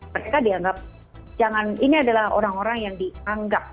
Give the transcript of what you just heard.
mereka dianggap jangan ini adalah orang orang yang dianggap